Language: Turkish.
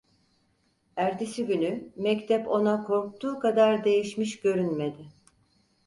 Ertesi günü mektep ona korktuğu kadar değişmiş görünmedi.